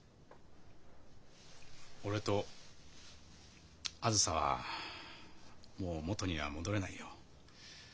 俺とあづさはもう元には戻れないよ。